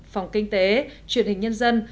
phòng kinh tế truyền hình nhân dân